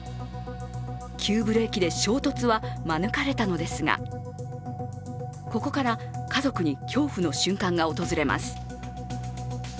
急ブレーキで衝突は免れたのですがここから、家族に恐怖の瞬間が訪れます。